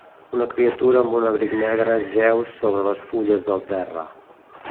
Una criatura amb un abric negre jeu sobre les fulles del terra.